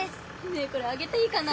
ねえこれあげていいかな？